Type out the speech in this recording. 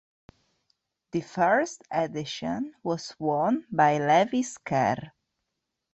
The first edition was won by Lewis Kerr.